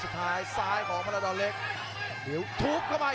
ทำท่าว่าจะได้มาสองนับครับ